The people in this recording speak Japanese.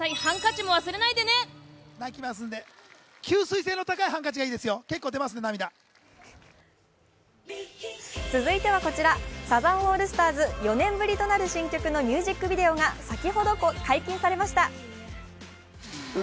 杏さんの出演シーンについて聞かれると続いてはこちら、サザンオールスターズ４年ぶりとなる新曲のミュージックビデオが先ほど解禁されました。